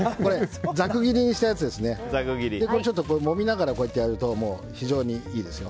ざく切りにしたやつですね。もみながらやると非常にいいですよ。